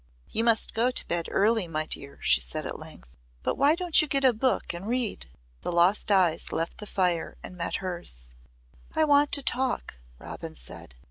"You must go to bed early, my dear," she said at length. "But why don't you get a book and read?" The lost eyes left the fire and met hers. "I want to talk," Robin said.